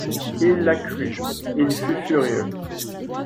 Il la crut, il fut furieux.